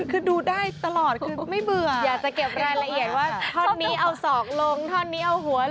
คือดูได้ตลอดคือไม่เบื่ออยากจะเก็บรายละเอียดว่าท่อนนี้เอาศอกลงท่อนนี้เอาหัว